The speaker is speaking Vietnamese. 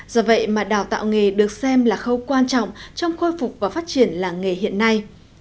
do vậy mà đào tạo nghề được xem là khâu quan trọng trong khôi phục và phát triển làng nghề hiện nay